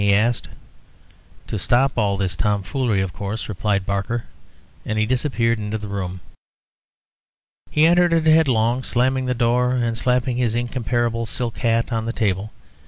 he asked. "To stop all this foolery, of course," replied Barker; and he disappeared into the room. He entered it headlong, slamming the door, and slapping his incomparable silk hat on the table.